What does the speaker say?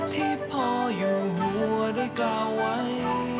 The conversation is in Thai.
ที่พ่ออยู่หัวได้กล่าวไว้